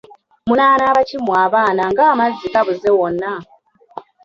Munaanaaba ki mmwe abaana ng'amazzi gabuze wonna?